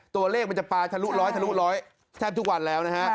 ตัวเลขมันจะปลาทะลุร้อยทะลุร้อยแทบทุกวันแล้วนะฮะ